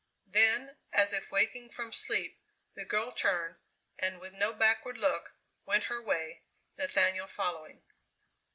Then, as if waking from sleep, the girl turned, and with no backward look, went her way, Nathaniel following.